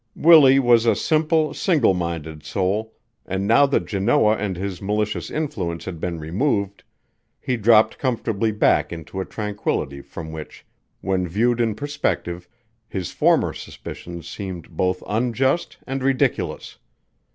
Willie was a simple, single minded soul and now that Janoah and his malicious influence had been removed, he dropped comfortably back into a tranquillity from which, when viewed in perspective, his former suspicions seemed both unjust and ridiculous.